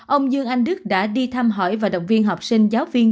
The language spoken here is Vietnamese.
ông dương anh đức đã đi thăm hỏi và động viên học sinh giáo viên